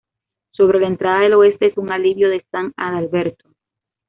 Sobre la entrada del oeste es un alivio de San Adalberto.